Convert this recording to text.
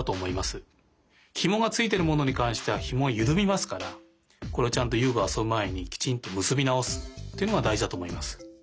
ひもがついてるものにかんしてはひもはゆるみますからこれをちゃんと遊具をあそぶまえにきちんとむすびなおすっていうのがだいじだとおもいます。